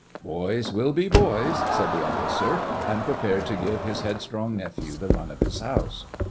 "Boys will be boys," said the officer, and prepared to give his headstrong nephew the run of his house.